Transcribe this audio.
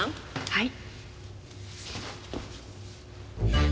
はい。